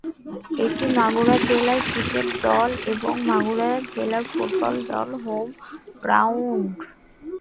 এটি মাগুরা জেলা ক্রিকেট দল এবং মাগুরা জেলা ফুটবল দলের হোম গ্রাউন্ড।